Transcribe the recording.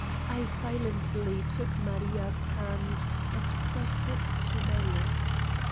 I silently took Maria's hand and pressed it to my lips.